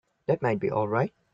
That might be all right.